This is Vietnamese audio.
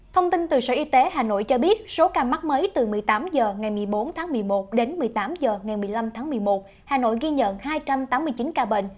thông tin từ sở y tế hà nội cho biết số ca mắc mới từ một mươi tám h ngày một mươi bốn tháng một mươi một đến một mươi tám h ngày một mươi năm tháng một mươi một hà nội ghi nhận hai trăm tám mươi chín ca bệnh